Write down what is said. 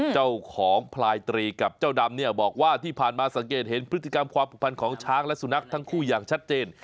พลายตรีกับเจ้าดำเนี่ยบอกว่าที่ผ่านมาสังเกตเห็นพฤติกรรมความผูกพันของช้างและสุนัขทั้งคู่อย่างชัดเจน